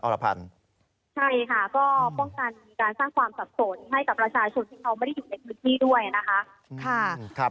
ใช่ค่ะก็ป้องกันการสร้างความสับสนให้กับประชาชนที่เขาไม่ได้อยู่ในพื้นที่ด้วยนะคะ